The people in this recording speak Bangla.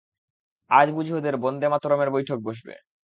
আজ বুঝি ওদের বন্দেমাতরমের বৈঠক বসবে।